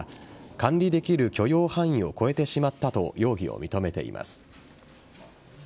管理できる許容範囲を超えてしまったと容疑を認めています。